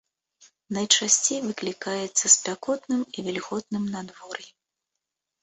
Найчасцей выклікаецца спякотным і вільготным надвор'ем.